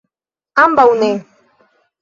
Ambaŭ ne.